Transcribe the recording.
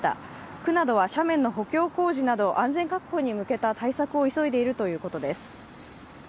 区などは斜面の補強工事など、安全確保に向けた対策を急いでいるということです。